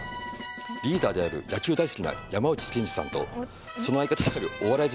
リーダーである野球大好きな山内健司さんとその相方であるお笑い